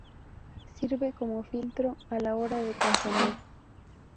sirve como filtro a la hora de componer